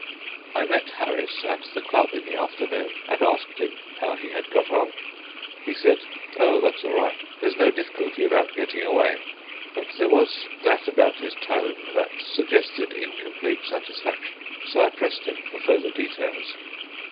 I met Harris at the Club in the afternoon, and asked him how he had got on. He said, "Oh, that's all right; there's no difficulty about getting away." But there was that about his tone that suggested incomplete satisfaction, so I pressed him for further details.